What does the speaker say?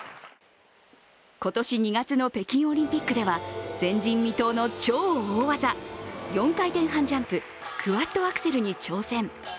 今年２月の北京オリンピックでは前人未到の超大技、４回転半ジャンプ、クワッドアクセルに挑戦。